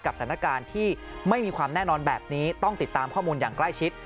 สถานการณ์ที่ไม่มีความแน่นอนแบบนี้ต้องติดตามข้อมูลอย่างใกล้ชิด